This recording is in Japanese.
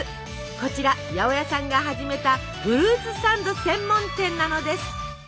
こちら八百屋さんが始めたフルーツサンド専門店なのです。